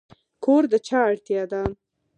کور د چا اړتیا ده؟